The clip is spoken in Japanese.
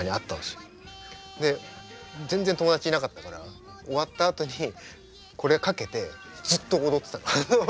全然友達いなかったから終わったあとにこれかけてずっと踊ってたの。